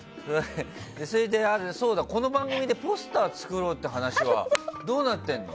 それで、そうだこの番組でポスター作ろうって話はどうなってるの？